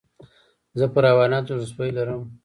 زه پر حیواناتو زړه سوى لرم.